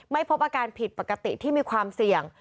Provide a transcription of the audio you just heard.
ไม่พบอาการผิดปกติที่มีความเสี่ยง